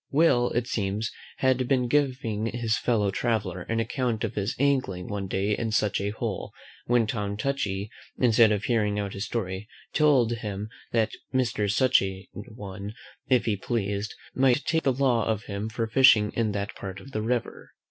Will it seems, had been giving his fellow traveller an account of his angling one day in such a hole; when Tom Touchy, instead of hearing out his story, told him that Mr. Such a one, if he pleased, might take the law of him for fishing in that part of the river.